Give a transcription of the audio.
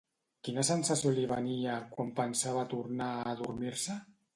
Quina sensació li venia quan pensava a tornar a adormir-se?